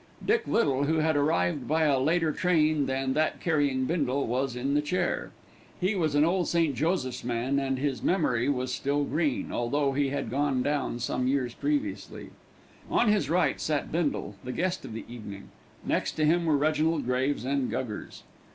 Dick Little, who had arrived by a later train than that carrying Bindle, was in the chair. He was an old St. Joseph's man and his memory was still green, although he had gone down some years previously. On his right sat Bindle, the guest of the evening; next to him were Reginald Graves and Guggers.